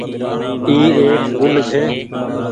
اي ايڪ گل ڇي۔